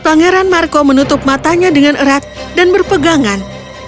pangeran marco menutup matanya dengan erat dan berpegangan